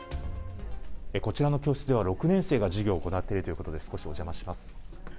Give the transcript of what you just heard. こちらの教室では、６年生が授業を行っているということで、少しお邪魔します。